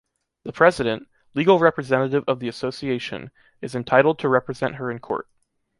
The president, legal representative of the association, is entitled to represent her in court.